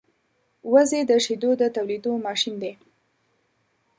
وزې د شیدو د تولېدو ماشین دی